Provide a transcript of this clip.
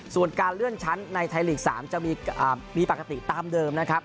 ส่วนการเลื่อนชั้นในไทยลีก๓จะมีปกติตามเดิมนะครับ